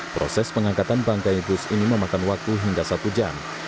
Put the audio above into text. proses pengangkatan bangkai bus ini memakan waktu hingga satu jam